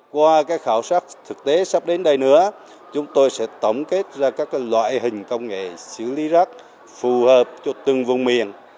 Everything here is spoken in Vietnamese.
qua khảo sát thực tế sắp đến đây nữa chúng tôi sẽ tổng kết ra các loại hình công nghệ xử lý rác phù hợp cho từng vùng miền